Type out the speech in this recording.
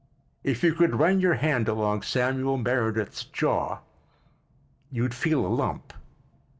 If you could run your hand along Samuel Meredith's jaw you'd feel a lump.